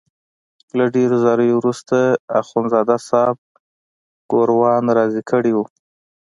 له ډېرو زاریو وروسته اخندزاده صاحب ګوروان راضي کړی وو.